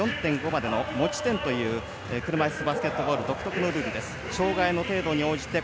名前の横の数字は１．０から４．５までの持ち点という車いすバスケットボール独特なルールです。